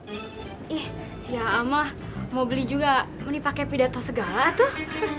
ih siya allah mah mau beli juga menipakai pidato segala tuh